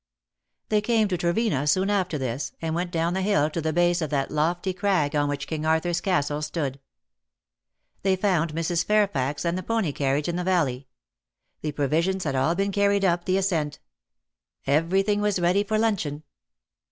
They came to Trevena soon after this^ and went down the hill to the base of that lofty crag on which King Arthur^s Castle stood. They found Mrs. Fairfax and the pony carriage in the Valley. The provisions had all been carried up the ascent. Everything was ready for luncheon.